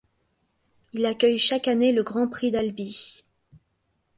Il accueille chaque année le Grand Prix d'Albi.